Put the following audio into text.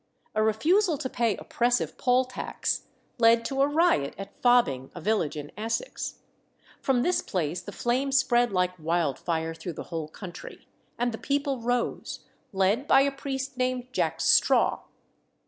A refusal to pay oppressive poll tax led to a riot at Fobbing, a village in Essex; from this place the flame spread like wildfire through the whole county, and the people rose, led by a priest named Jack Straw.